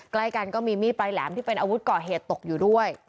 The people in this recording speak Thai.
ใกล้กันก็มีมีดปลายแหลมที่เป็นอาวุธก่อเหตุตกอยู่ด้วย